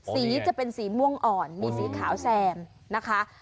สีจะเป็นสีม่วงอ่อนมีสีขาวแซมนะคะ